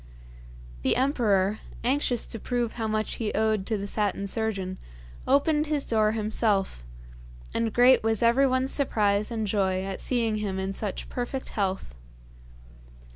The emperor, anxious to prove how much he owed to the Satin Surgeon, opened his door himself, and great was everyone's surprise and joy at seeing him in such perfect health.